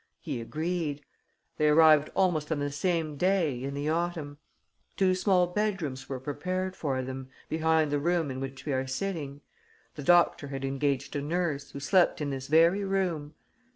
He agreed. They arrived almost on the same day, in the autumn. Two small bedrooms were prepared for them, behind the room in which we are sitting. The doctor had engaged a nurse, who slept in this very room.